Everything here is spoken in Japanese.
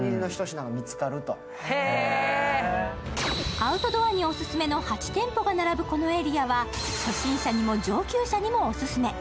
アウトドアにオススメの８店舗が並ぶこのエリアは、初心者にも上級者にもオススメ。